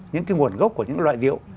những nguồn gốc của những loại rượu